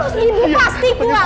terus terus terus ibu pasti buat